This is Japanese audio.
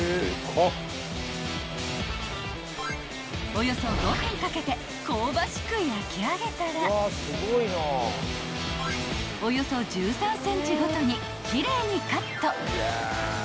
［およそ５分かけて香ばしく焼き上げたらおよそ１３ｃｍごとに奇麗にカット］